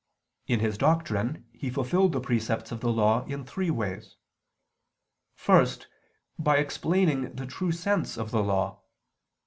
In His doctrine He fulfilled the precepts of the Law in three ways. First, by explaining the true sense of the Law.